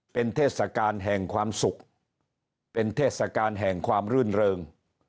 เป็นเทศกาลแห่งความสุขเป็นเทศกาลแห่งความรื่นเริง